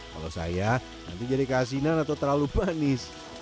kalau saya nanti jadi kasinan atau terlalu panis